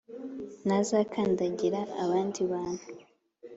ntazakandagira abandi bantu